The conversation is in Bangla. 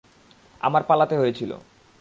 আমার পালাতে হয়েছিল।